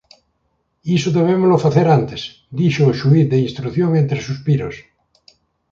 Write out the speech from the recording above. Iso debémolo facer antes —dixo o xuíz de instrución entre suspiros—.